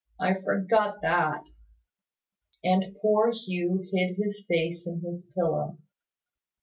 I forgot that." And poor Hugh hid his face in his pillow.